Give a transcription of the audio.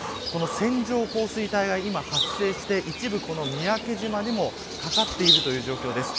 線状降水帯が今発生して一部三宅島でもかかっているという状況です。